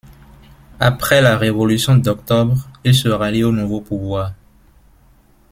Après la révolution d'octobre, il se rallie au nouveau pouvoir.